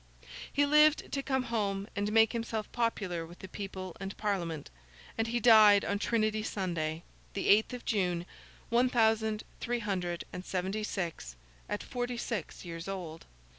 He lived to come home and make himself popular with the people and Parliament, and he died on Trinity Sunday, the eighth of June, one thousand three hundred and seventy six, at forty six years old.